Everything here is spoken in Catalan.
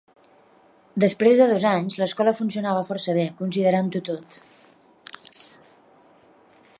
Després de dos anys l'escola funcionava força bé, considerant-ho tot.